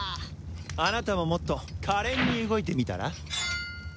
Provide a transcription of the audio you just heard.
あなたももっと可憐に動いてみたら？